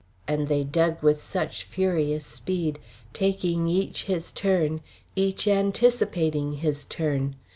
And they dug with such furious speed, taking each his turn, each anticipating his turn!